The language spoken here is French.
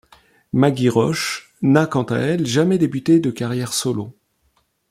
Maggie Roche n'a quant à elle jamais débuté de carrière solo.